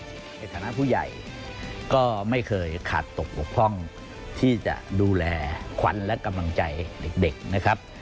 ในฐานะผู้ใหญ่ก็ไม่เคยขาดตกบกพร่องที่จะดูแลขวัญและกำลังใจเด็กนะครับ